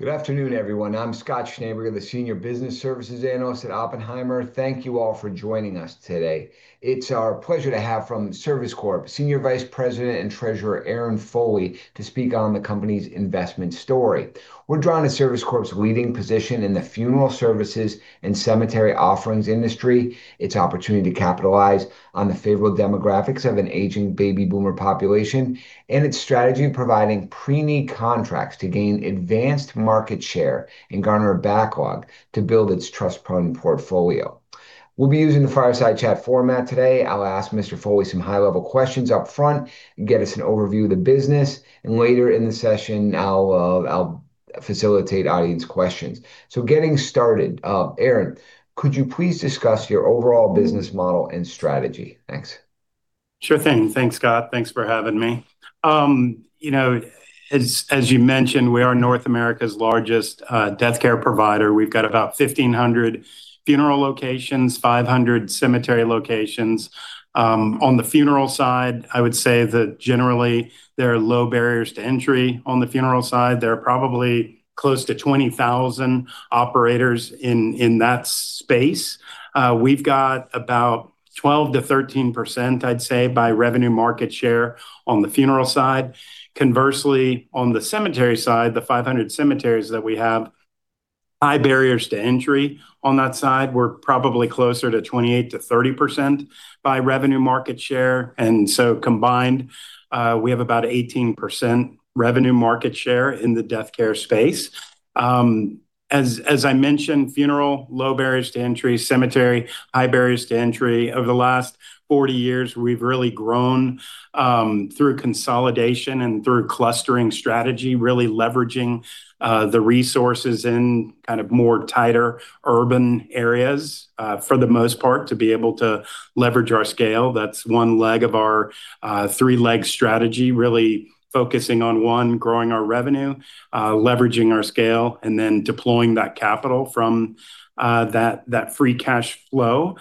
Good afternoon, everyone. I'm Scott Schneeberger, the Senior Business Services Analyst at Oppenheimer. Thank you all for joining us today. It's our pleasure to have from Service Corp, Senior Vice President and Treasurer Aaron Foley to speak on the company's investment story. We're drawn to Service Corp's leading position in the funeral services and cemetery services industry, its opportunity to capitalize on the favorable demographics of an aging baby boomer population, and its strategy providing pre-need contracts to gain advanced market share and garner a backlog to build its trust fund portfolio. We'll be using the Fireside Chat format today. I'll ask Mr. Foley some high-level questions up front and get us an overview of the business. Later in the session I'll facilitate audience questions. Getting started, Aaron, could you please discuss your overall business model and strategy? Thanks. Sure thing. Thanks, Scott. Thanks for having me. you know, as you mentioned, we are North America's largest death care provider. We've got about 1,500 funeral locations, 500 cemetery locations. On the funeral side, I would say that generally there are low barriers to entry on the funeral side. There are probably close to 20,000 operators in that space. We've got about 12%-13%, I'd say, by revenue market share on the funeral side. Conversely, on the cemetery side, the 500 cemeteries that we have, high barriers to entry on that side. We're probably closer to 28%-30% by revenue market share. Combined, we have about 18% revenue market share in the death care space. As I mentioned, funeral, low barriers to entry, cemetery, high barriers to entry. Over the last 40 years we've really grown, through consolidation and through clustering strategy, really leveraging the resources in kind of more tighter urban areas, for the most part, to be able to leverage our scale. That's one leg of our three-leg strategy, really focusing on, one, growing our revenue, leveraging our scale, and then deploying that capital from that free cash flow.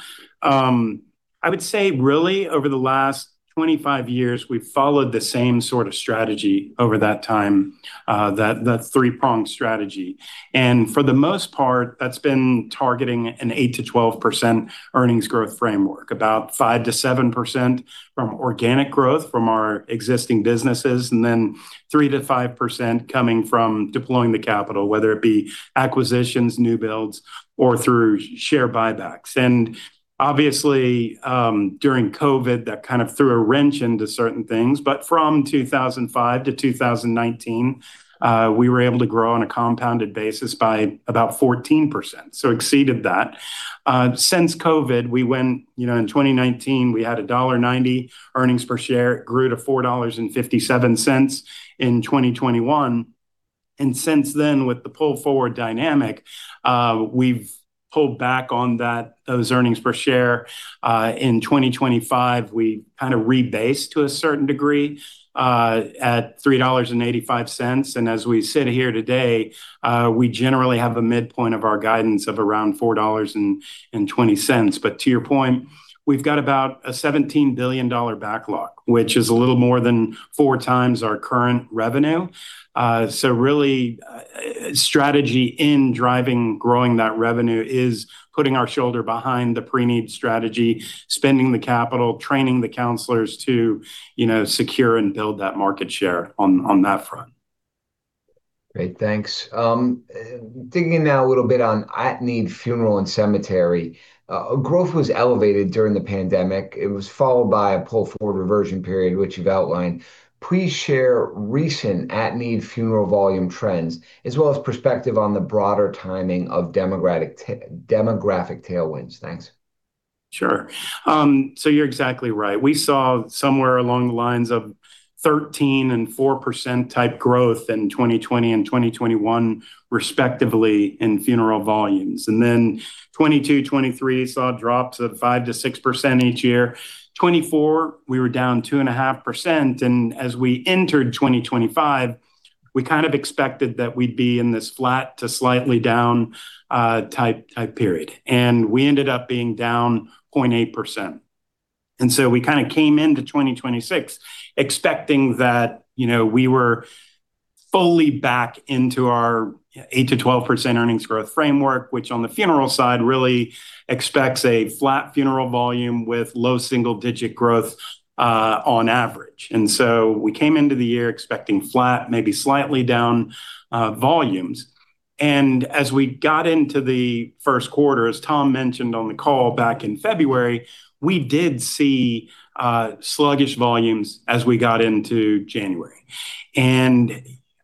I would say really over the last 25 years we've followed the same sort of strategy over that time, that three-pronged strategy. For the most part, that's been targeting an 8%-12% earnings growth framework, about 5%-7% from organic growth from our existing businesses, then 3%-5% coming from deploying the capital, whether it be acquisitions, new builds, or through share buybacks. Obviously, during COVID, that kind of threw a wrench into certain things. From 2005 to 2019, we were able to grow on a compounded basis by about 14%, so exceeded that. Since COVID, we went You know, in 2019, we had $1.90 earnings per share. It grew to $4.57 in 2021. Since then, with the pull forward dynamic, we've pulled back on that, those earnings per share. In 2025, we kind of rebased to a certain degree, at $3.85. As we sit here today, we generally have a midpoint of our guidance of around $4.20. To your point, we've got about a $17 billion backlog, which is a little more than 4x our current revenue. Really, strategy in driving growing that revenue is putting our shoulder behind the pre-need strategy, spending the capital, training the counselors to, you know, secure and build that market share on that front. Great. Thanks. Digging in now a little bit on at-need funeral and cemetery. Growth was elevated during the pandemic. It was followed by a pull forward reversion period, which you've outlined. Please share recent at-need funeral volume trends, as well as perspective on the broader timing of demographic tailwinds. Thanks. Sure. You're exactly right. We saw somewhere along the lines of 13% and 4%-type growth in 2020 and 2021 respectively in funeral volumes. 2022, 2023 saw drops of 5%-6% each year. 2024 we were down 2.5%. As we entered 2025, we kind of expected that we'd be in this flat to slightly down type period, and we ended up being down 0.8%. We kind of came into 2026 expecting that, you know, we were fully back into our 8%-12% earnings growth framework, which on the funeral side really expects a flat funeral volume with low single digit growth on average. We came into the year expecting flat, maybe slightly down volumes. As we got into the first quarter, as Tom mentioned on the call back in February, we did see sluggish volumes as we got into January.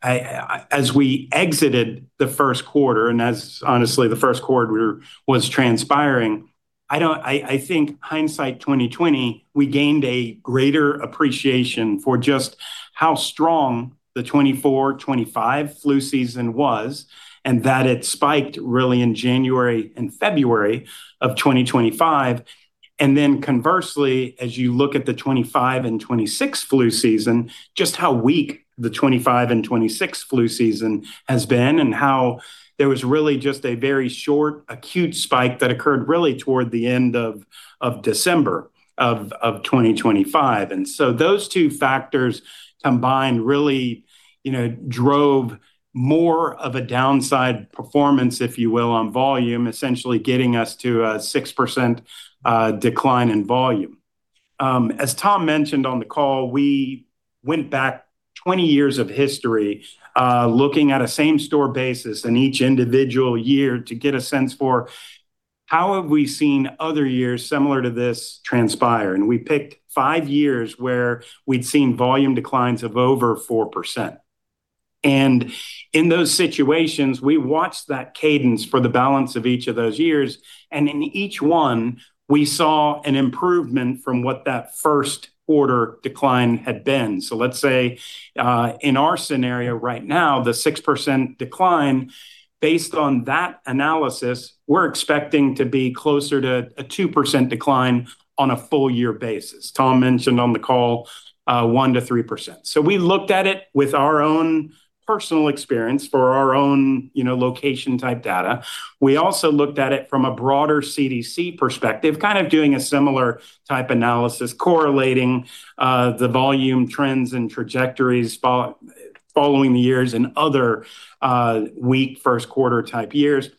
As we exited the first quarter, and as honestly the first quarter was transpiring, I think hindsight 2020, we gained a greater appreciation for just how strong the 2024, 2025 flu season was, and that it spiked really in January and February of 2025. Conversely, as you look at the 2025 and 2026 flu season, just how weak the 2025 and 2026 flu season has been, and how there was really just a very short, acute spike that occurred really toward the end of December of 2025. Those two factors combined really, you know, drove more of a downside performance, if you will, on volume, essentially getting us to a 6% decline in volume. As Tom mentioned on the call, we went back 20 years of history, looking at a same-store basis in each individual year to get a sense for how have we seen other years similar to this transpire. We picked five years where we'd seen volume declines of over 4%. In those situations, we watched that cadence for the balance of each of those years, and in each one, we saw an improvement from what that first-quarter decline had been. Let's say, in our scenario right now, the 6% decline, based on that analysis, we're expecting to be closer to a 2% decline on a full-year basis. Tom mentioned on the call, 1%-3%. We looked at it with our own personal experience for our own, you know, location-type data. We also looked at it from a broader CDC perspective, kind of doing a similar type analysis correlating the volume trends and trajectories following the years in other weak first-quarter type years.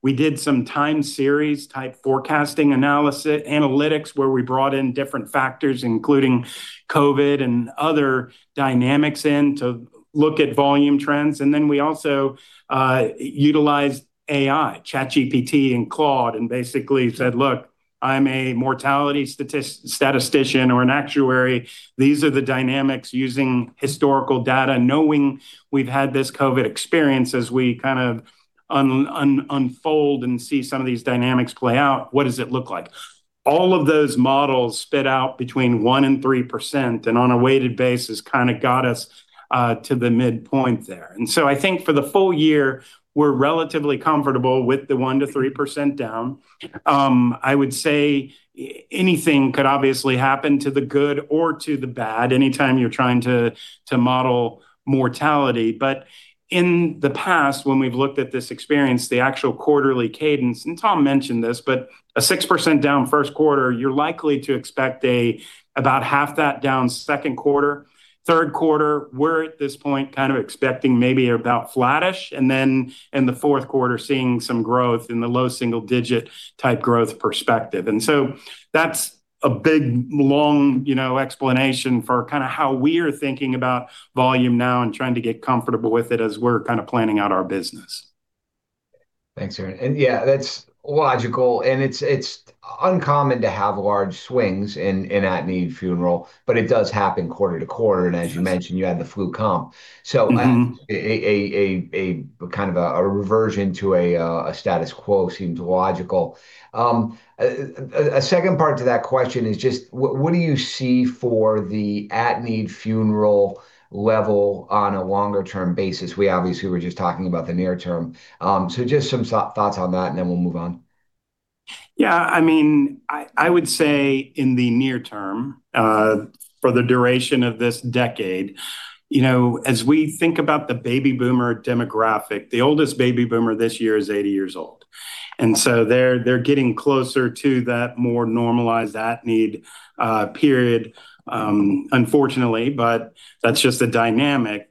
We did some time series type forecasting analytics, where we brought in different factors, including COVID and other dynamics in to look at volume trends, and then we also utilized AI, ChatGPT and Claude, and basically said, "Look, I'm a mortality statistician or an actuary. These are the dynamics using historical data, knowing we've had this COVID experience as we kind of unfold and see some of these dynamics play out. What does it look like?" All of those models spit out between 1% and 3%, on a weighted basis kind of got us to the midpoint there. I think for the full year, we're relatively comfortable with the 1%-3% down. I would say anything could obviously happen to the good or to the bad anytime you're trying to model mortality. In the past, when we've looked at this experience, the actual quarterly cadence, and Tom mentioned this, but a 6% down first quarter, you're likely to expect about half that down second quarter. Third quarter, we're at this point kind of expecting maybe about flattish, in the fourth quarter seeing some growth in the low single digit type growth perspective. That's a big, long, you know, explanation for kind of how we're thinking about volume now and trying to get comfortable with it as we're kind of planning out our business. Thanks, Aaron. Yeah, that's logical, and it's uncommon to have large swings in at-need funeral, but it does happen quarter-over-quarter. As you mentioned, you had the flu come. A kind of a reversion to a status quo seems logical. A second part to that question is just what do you see for the at-need funeral level on a longer term basis? We obviously were just talking about the near term. Just some thoughts on that, and then we'll move on. I mean, I would say in the near term, for the duration of this decade, you know, as we think about the baby boomer demographic, the oldest baby boomer this year is 80 years old. They're getting closer to that more normalized at-need period, unfortunately, but that's just the dynamic.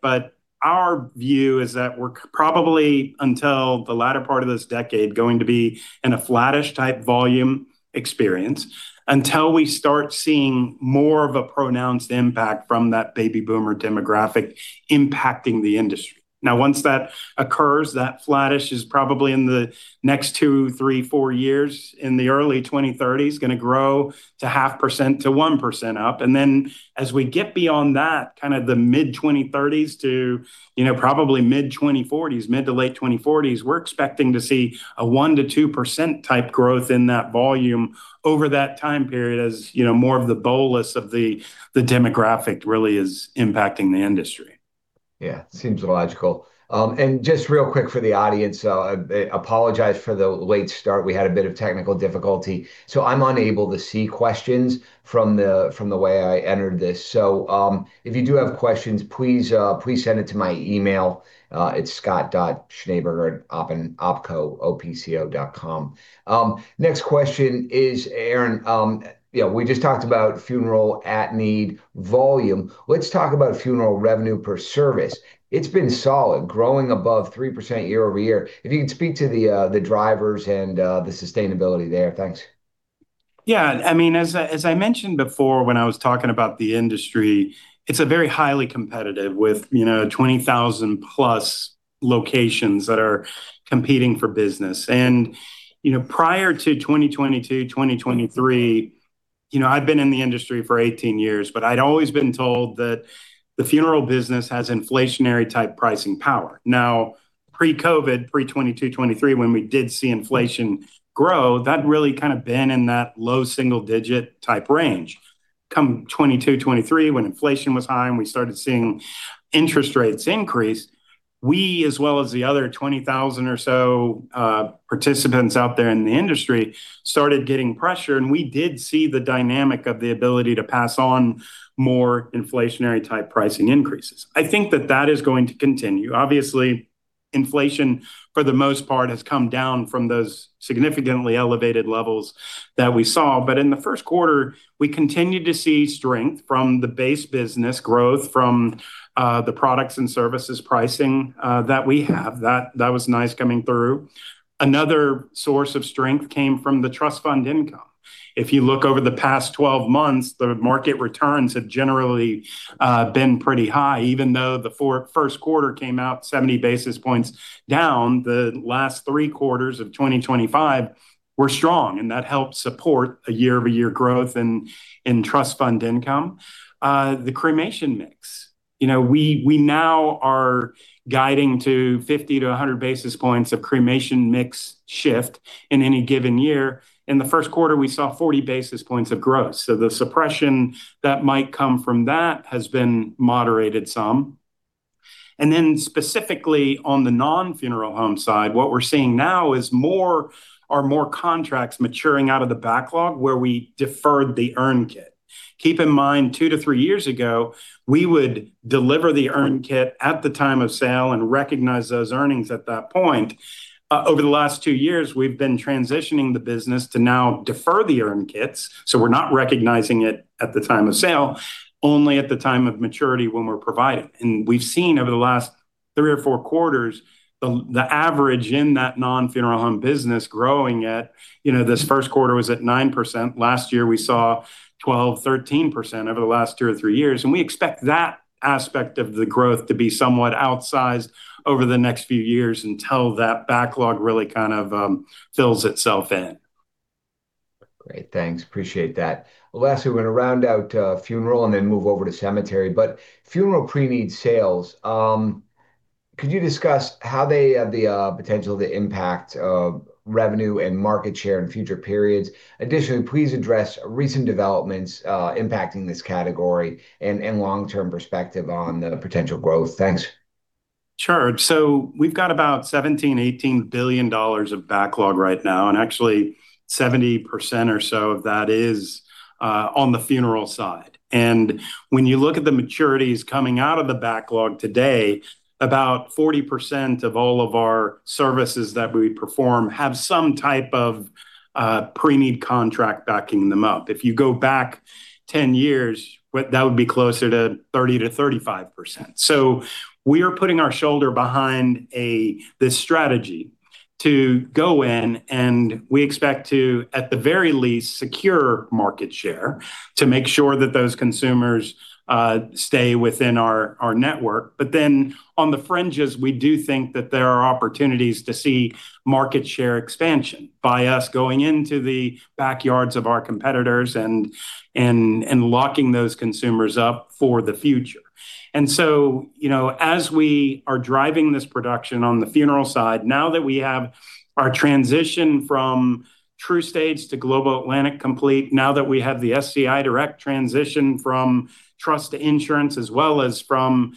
Our view is that we're probably, until the latter part of this decade, going to be in a flattish type volume experience until we start seeing more of a pronounced impact from that baby boomer demographic impacting the industry. Now, once that occurs, that flattish is probably in the next two, three, four years, in the early 2030s, gonna grow to 0.5%-1% up. Then as we get beyond that, kind of the mid-2030s to, you know, probably mid-2040s, mid to late 2040s, we're expecting to see a 1%-2% type growth in that volume over that time period as, you know, more of the bolus of the demographic really is impacting the industry. Yeah. Seems logical. Just real quick for the audience, I apologize for the late start. We had a bit of technical difficulty. I'm unable to see questions from the, from the way I entered this. If you do have questions, please send it to my email. It's scott.schneeberger@opco.com. Next question is, Aaron, we just talked about funeral at-need volume. Let's talk about funeral revenue per service. It's been solid, growing above 3% year-over-year. If you could speak to the drivers and the sustainability there. Thanks. Yeah. I mean, as I mentioned before when I was talking about the industry, it's a very highly competitive, with, you know, 20,000+ locations that are competing for business. You know, prior to 2022, 2023, you know, I've been in the industry for 18 years, but I'd always been told that the funeral business has inflationary-type pricing power. Now, pre-COVID, pre-2022, 2023, when we did see inflation grow, that really kind of been in that low single-digit type range. Come 2022, 2023, when inflation was high and we started seeing interest rates increase, we, as well as the other 20,000 or so participants out there in the industry, started getting pressure, and we did see the dynamic of the ability to pass on more inflationary-type pricing increases. I think that that is going to continue. Obviously, inflation, for the most part, has come down from those significantly elevated levels that we saw. In the first quarter, we continued to see strength from the base business growth from the products and services pricing that we have. That was nice coming through. Another source of strength came from the trust fund income. If you look over the past 12 months, the market returns have generally been pretty high. Even though the first quarter came out 70 basis points down, the last three quarters of 2025 were strong, and that helped support a year-over-year growth in trust fund income. The cremation mix. You know, we now are guiding to 50-100 basis points of cremation mix shift in any given year. In the first quarter, we saw 40 basis points of growth, the suppression that might come from that has been moderated some. Specifically on the non-funeral home side, what we're seeing now is more or more contracts maturing out of the backlog where we deferred the urn kit. Keep in mind, two to three years ago, we would deliver the urn kit at the time of sale and recognize those earnings at that point. Over the last two years, we've been transitioning the business to now defer the urn kits, we're not recognizing it at the time of sale, only at the time of maturity when we're providing. We've seen over the last three or four quarters the average in that non-funeral home business growing at, you know, this first quarter was at 9%. Last year, we saw 12%, 13% over the last two or three years. We expect that aspect of the growth to be somewhat outsized over the next few years until that backlog really kind of fills itself in. Great. Thanks. Appreciate that. Lastly, we're gonna round out funeral and then move over to cemetery. Funeral pre-need sales, could you discuss how they have the potential to impact revenue and market share in future periods? Additionally, please address recent developments impacting this category and long-term perspective on the potential growth. Thanks. Sure. We've got about $17 billion-$18 billion of backlog right now, and actually 70% or so of that is on the funeral side. When you look at the maturities coming out of the backlog today, about 40% of all of our services that we perform have some type of pre-need contract backing them up. If you go back 10 years, that would be closer to 30%-35%. We are putting our shoulder behind this strategy to go in, and we expect to, at the very least, secure market share to make sure that those consumers stay within our network. On the fringes, we do think that there are opportunities to see market share expansion by us going into the backyards of our competitors and locking those consumers up for the future. You know, as we are driving this production on the funeral side, now that we have our transition from trust states to Global Atlantic complete, now that we have the SCI Direct transition from trust to insurance, as well as from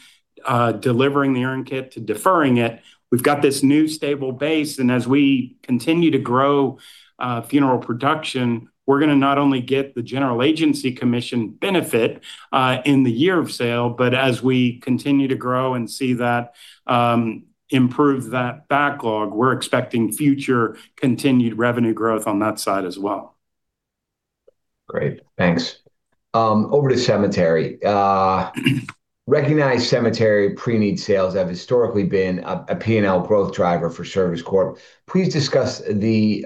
delivering the urn kit to deferring it, we've got this new stable base. As we continue to grow funeral production, we're gonna not only get the general agency commission benefit in the year of sale, but as we continue to grow and see that improve that backlog, we're expecting future continued revenue growth on that side as well. Great. Thanks. Over to cemetery. Recognized cemetery pre-need sales have historically been a P&L growth driver for Service Corp. Please discuss the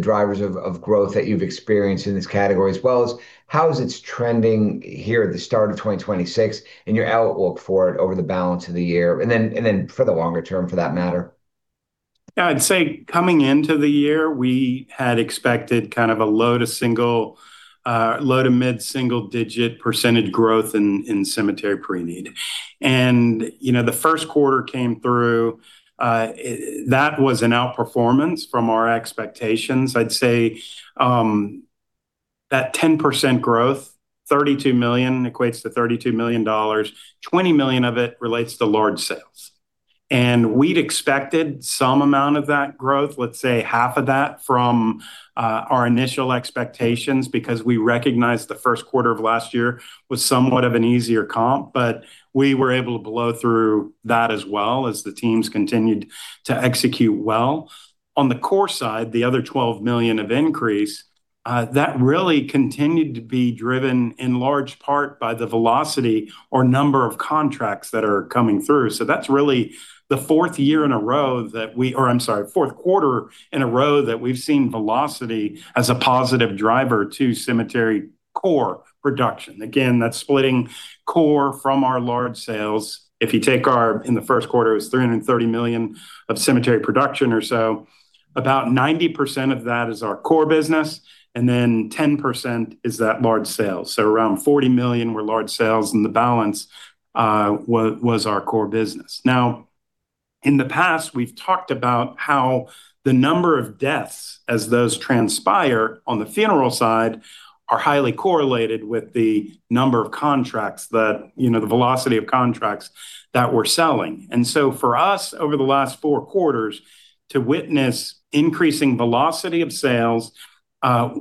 drivers of growth that you've experienced in this category, as well as how is it trending here at the start of 2026 and your outlook for it over the balance of the year, and then for the longer term, for that matter. Yeah. I'd say coming into the year, we had expected kind of a low to mid-single digit % growth in cemetery pre-need. You know, the first quarter came through, that was an outperformance from our expectations. I'd say, that 10% growth, $32 million, equates to $32 million, $20 million of it relates to large sales. We'd expected some amount of that growth, let's say half of that from our initial expectations because we recognized the first quarter of last year was somewhat of an easier comp. We were able to blow through that as well as the teams continued to execute well. On the core side, the other $12 million of increase, that really continued to be driven in large part by the velocity or number of contracts that are coming through. That's really the fourth year in a row or I'm sorry, fourth quarter in a row that we've seen velocity as a positive driver to cemetery core production. That's splitting core from our large sales. If you take our, in the first quarter, it was $330 million of cemetery production or so, about 90% of that is our core business, and then 10% is that large sale. Around $40 million were large sales, and the balance was our core business. In the past, we've talked about how the number of deaths as those transpire on the funeral side are highly correlated with the number of contracts that, you know, the velocity of contracts that we're selling. For us, over the last four quarters, to witness increasing velocity of sales,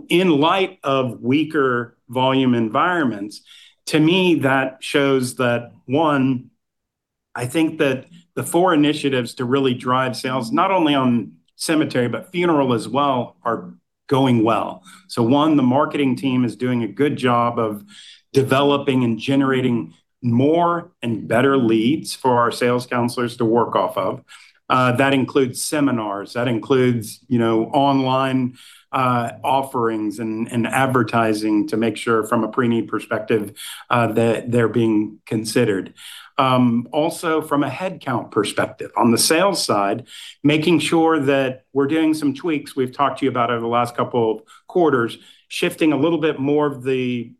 in light of weaker volume environments, to me that shows that, one, I think that the four initiatives to really drive sales, not only on cemetery but funeral as well, are going well. One, the marketing team is doing a good job of developing and generating more and better leads for our sales counselors to work off of. That includes seminars, that includes, you know, online, offerings and, advertising to make sure from a pre-need perspective, that they're being considered. Also from a headcount perspective, on the sales side, making sure that we're doing some tweaks we've talked to you about over the last couple of quarters, shifting a little bit more of the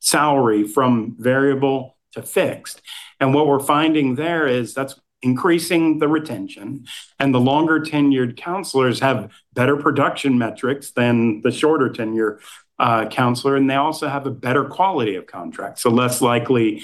salary from variable to fixed. What we're finding there is that's increasing the retention, and the longer tenured counselors have better production metrics than the shorter tenure counselor, and they also have a better quality of contract, so less likely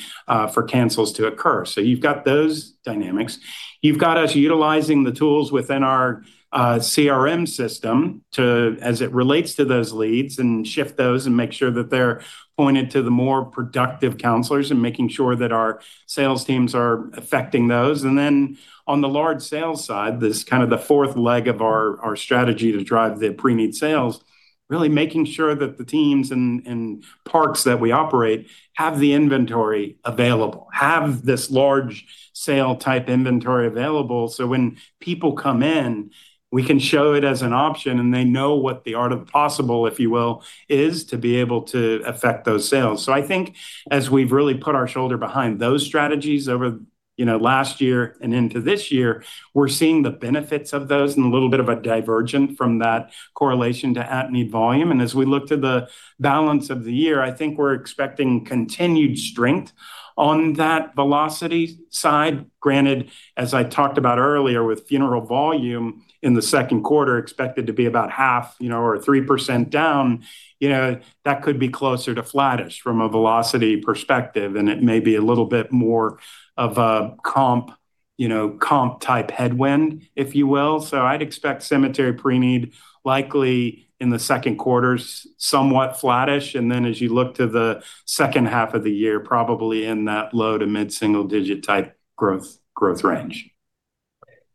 for cancels to occur. You've got those dynamics. You've got us utilizing the tools within our CRM system to, as it relates to those leads, and shift those and make sure that they're pointed to the more productive counselors and making sure that our sales teams are affecting those. On the large sales side, this kind of the fourth leg of our strategy to drive the pre-need sales, really making sure that the teams and parks that we operate have the inventory available, have this large sale type inventory available, so when people come in, we can show it as an option and they know what the art of the possible, if you will, is to be able to affect those sales. I think as we've really put our shoulder behind those strategies over, you know, last year and into this year, we're seeing the benefits of those and a little bit of a divergent from that correlation to at-need volume. As we look to the balance of the year, I think we're expecting continued strength on that velocity side. Granted, as I talked about earlier with funeral volume in the second quarter expected to be about half, you know, or 3% down, you know, that could be closer to flattish from a velocity perspective, it may be a little bit more of a comp, you know, comp type headwind, if you will. I'd expect cemetery pre-need likely in the second quarter somewhat flattish, then as you look to the second half of the year, probably in that low- to mid-single digit type growth range.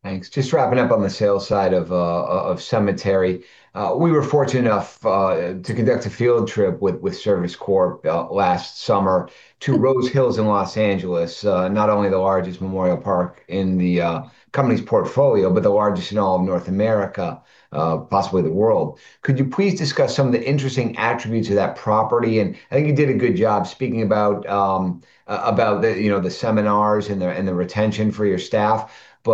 Thanks. Just wrapping up on the sales side of cemetery. We were fortunate enough to conduct a field trip with Service Corp last summer to Rose Hills in Los Angeles, not only the largest memorial park in the company's portfolio, but the largest in all of North America, possibly the world. Could you please discuss some of the interesting attributes of that property? I think you did a good job speaking about about the, you know, the seminars and the retention for your staff. A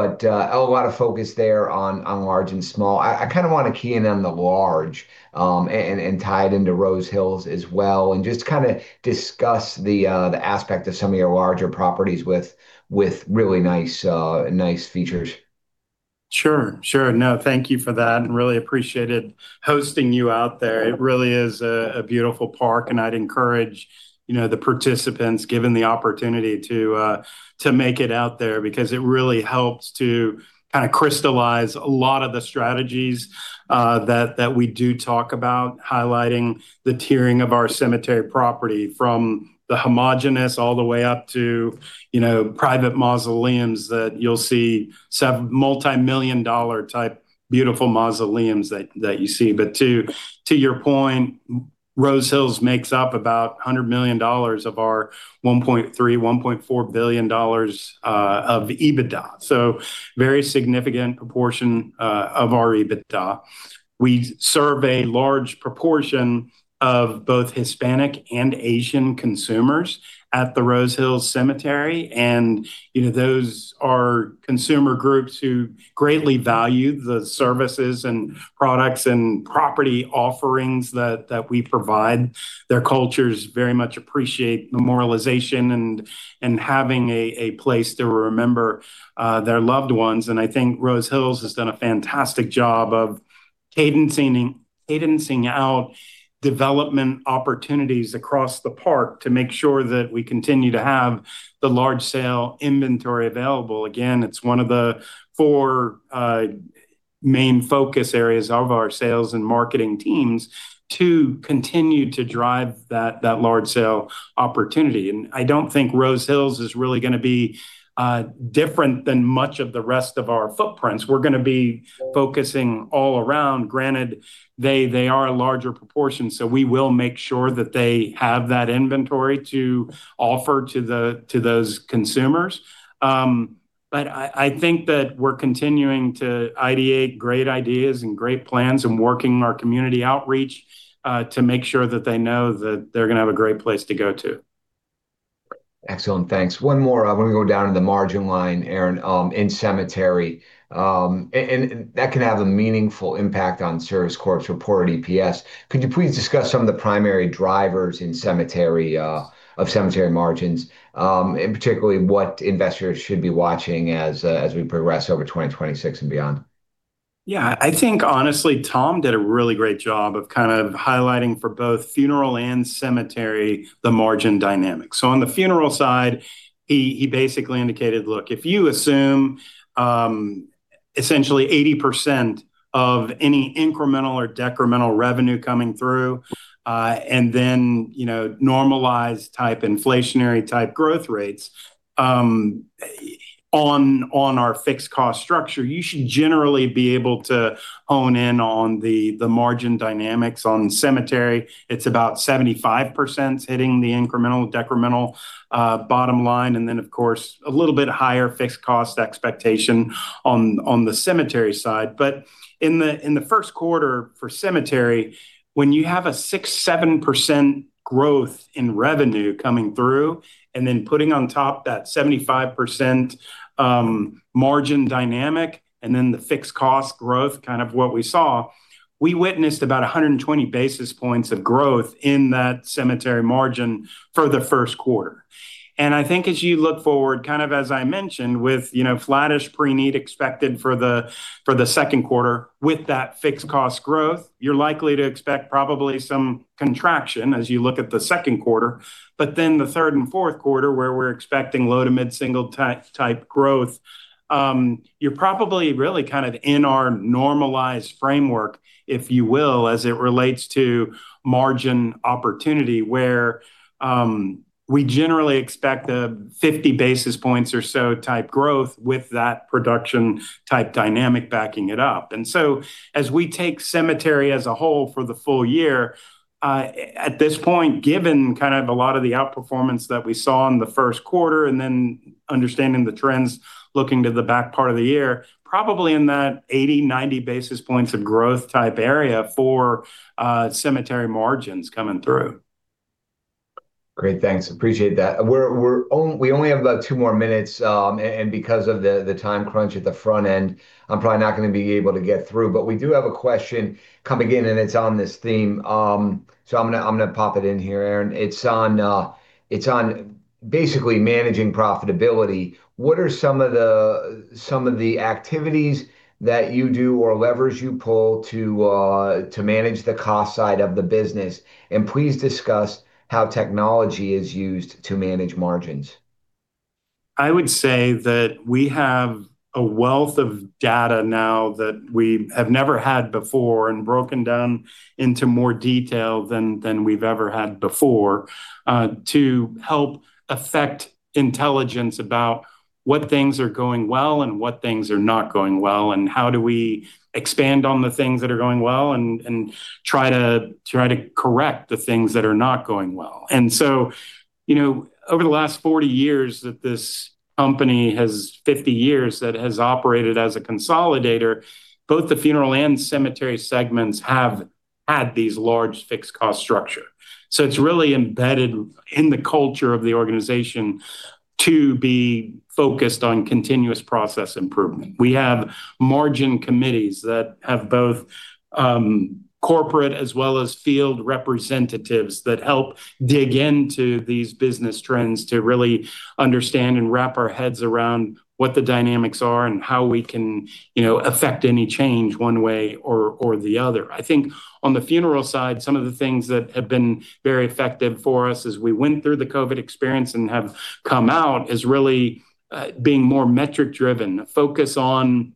lot of focus there on large and small. I kind of want to key in on the large and tie it into Rose Hills as well, and just kind of discuss the aspect of some of your larger properties with really nice features. Sure. Sure. No, thank you for that, and really appreciated hosting you out there. It really is a beautiful park, and I'd encourage, you know, the participants, given the opportunity, to make it out there because it really helps to kind of crystallize a lot of the strategies that we do talk about, highlighting the tiering of our cemetery property from the homogenous all the way up to, you know, private mausoleums that you'll see, multimillion-dollar type beautiful mausoleums that you see. To your point, Rose Hills makes up about $100 million of our $1.3 billion-$1.4 billion of EBITDA. Very significant proportion of our EBITDA. We serve a large proportion of both Hispanic and Asian consumers at the Rose Hills Cemetery, you know, those are consumer groups who greatly value the services and products and property offerings that we provide. Their cultures very much appreciate memorialization and having a place to remember their loved ones. I think Rose Hills has done a fantastic job of cadencing out development opportunities across the park to make sure that we continue to have the large sale inventory available. Again, it's one of the four main focus areas of our sales and marketing teams to continue to drive that large sale opportunity. I don't think Rose Hills is really gonna be different than much of the rest of our footprints. We're gonna be focusing all around, granted they are a larger proportion, so we will make sure that they have that inventory to offer to those consumers. I think that we're continuing to ideate great ideas and great plans and working our community outreach to make sure that they know that they're gonna have a great place to go to. Excellent. Thanks. One more. I want to go down to the margin line, Aaron, in cemetery. And that can have a meaningful impact on Service Corp's reported EPS. Could you please discuss some of the primary drivers in cemetery, of cemetery margins, and particularly what investors should be watching as we progress over 2026 and beyond? I think honestly, Tom did a really great job of kind of highlighting for both funeral and cemetery the margin dynamics. On the funeral side, he basically indicated, look, if you assume essentially 80% of any incremental or decremental revenue coming through, and then, you know, normalized type inflationary type growth rates on our fixed cost structure, you should generally be able to hone in on the margin dynamics. On cemetery, it's about 75% hitting the incremental decremental bottom line, and then of course a little bit higher fixed cost expectation on the cemetery side. In the first quarter for cemetery, when you have a 6%, 7% growth in revenue coming through and then putting on top that 75% margin dynamic and then the fixed cost growth, kind of what we saw, we witnessed about 120 basis points of growth in that cemetery margin for the first quarter. I think as you look forward, kind of as I mentioned with, you know, flattish pre-need expected for the second quarter with that fixed cost growth, you're likely to expect probably some contraction as you look at the second quarter. The third and fourth quarter, where we're expecting low to mid-single type growth, you're probably really kind of in our normalized framework, if you will, as it relates to margin opportunity, where we generally expect a 50 basis points or so type growth with that production type dynamic backing it up. As we take cemetery as a whole for the full year, at this point, given kind of a lot of the outperformance that we saw in the first quarter and then understanding the trends looking to the back part of the year, probably in that 80, 90 basis points of growth type area for cemetery margins coming through. Great. Thanks. Appreciate that. We only have about two more minutes, and because of the time crunch at the front end, I'm probably not gonna be able to get through. We do have a question coming in, and it's on this theme. I'm gonna pop it in here, Aaron. It's on basically managing profitability. What are some of the activities that you do or levers you pull to manage the cost side of the business? Please discuss how technology is used to manage margins. I would say that we have a wealth of data now that we have never had before and broken down into more detail than we've ever had before, to help effect intelligence about what things are going well and what things are not going well, and how do we expand on the things that are going well and try to correct the things that are not going well. You know, over the last 40 years that this company 50 years that has operated as a consolidator, both the funeral and cemetery segments have had these large fixed cost structure. It's really embedded in the culture of the organization to be focused on continuous process improvement. We have margin committees that have both corporate as well as field representatives that help dig into these business trends to really understand and wrap our heads around what the dynamics are and how we can, you know, affect any change one way or the other. I think on the funeral side, some of the things that have been very effective for us as we went through the COVID experience and have come out is really being more metric-driven. A focus on,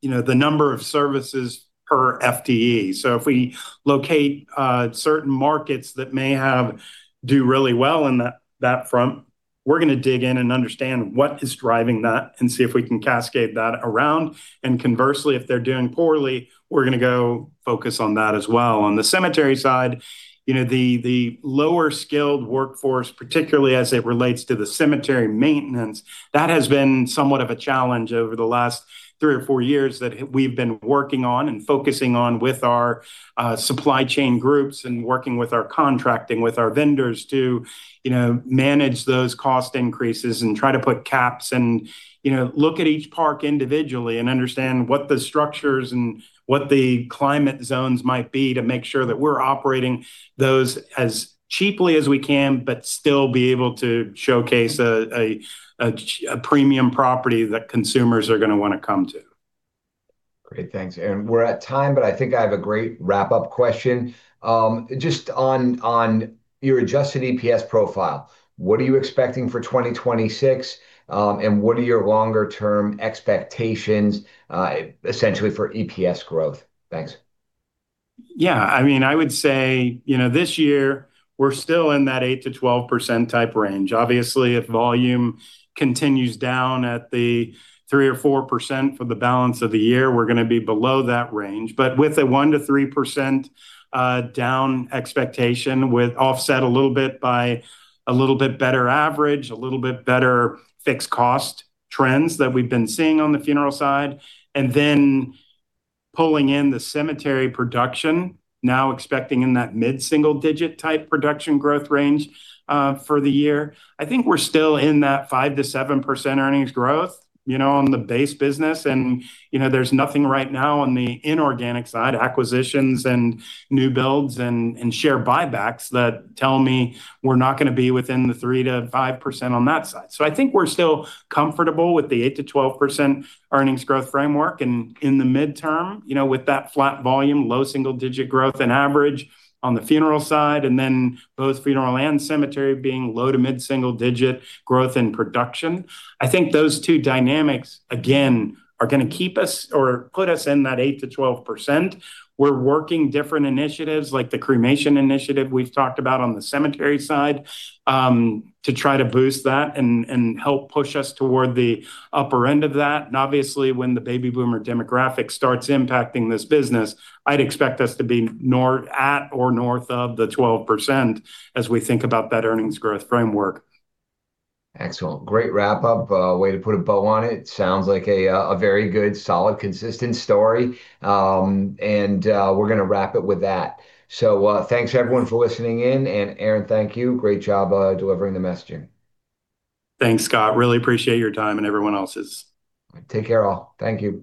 you know, the number of services per FTE. If we locate certain markets that may have do really well in that front, we're gonna dig in and understand what is driving that and see if we can cascade that around. Conversely, if they're doing poorly, we're gonna go focus on that as well. On the cemetery side, you know, the lower skilled workforce, particularly as it relates to the cemetery maintenance, that we've been working on and focusing on with our supply chain groups and working with our contracting, with our vendors to, you know, manage those cost increases and try to put caps and, you know, look at each park individually and understand what the structures and what the climate zones might be to make sure that we're operating those as cheaply as we can, but still be able to showcase a premium property that consumers are gonna wanna come to. Great. Thanks, Aaron. We're at time, but I think I have a great wrap-up question. Just on your adjusted EPS profile, what are you expecting for 2026? What are your longer term expectations, essentially for EPS growth? Thanks. Yeah, I mean, I would say, you know, this year we're still in that 8%-12% type range. Obviously, if volume continues down at the 3% or 4% for the balance of the year, we're gonna be below that range. With a 1%-3% down expectation offset a little bit by a little bit better average, a little bit better fixed cost trends that we've been seeing on the funeral side. Pulling in the cemetery production, now expecting in that mid-single-digit type production growth range for the year. I think we're still in that 5%-7% earnings growth, you know, on the base business. You know, there's nothing right now on the inorganic side, acquisitions and new builds and share buybacks that tell me we're not going to be within the 3%-5% on that side. I think we're still comfortable with the 8%-12% earnings growth framework. In the midterm, you know, with that flat volume, low single-digit growth and average on the funeral side, then both funeral and cemetery being low to mid-single-digit growth in production, I think those two dynamics, again, are going to keep us or put us in that 8%-12%. We're working different initiatives, like the cremation initiative we've talked about on the cemetery side, to try to boost that and help push us toward the upper end of that. Obviously, when the baby boomer demographic starts impacting this business, I'd expect us to be at or north of the 12% as we think about that earnings growth framework. Excellent. Great wrap-up. Way to put a bow on it. Sounds like a very good, solid, consistent story. We're gonna wrap it with that. Thanks everyone for listening in. Aaron, thank you. Great job delivering the messaging. Thanks, Scott. Really appreciate your time and everyone else's. Take care, all. Thank you.